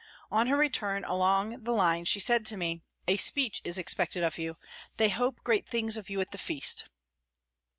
On her return along the line she said to me : "A speech is expected of you ; they hope great things of you at the feast."